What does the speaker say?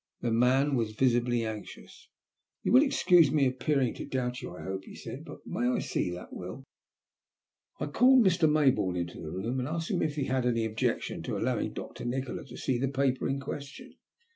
The man was visibly anxious. "Tou will excuse my appearing to doubt you, I hope," he said, "but may I see that will?" I called Mr. Mayboume into the room and asked him if he had any objection to allowing Dr. Nikola to see the paper in question.